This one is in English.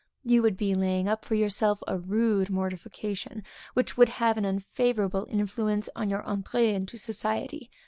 You would be laying up for yourself a rude mortification, which would have an unfavorable influence on your entrée into society.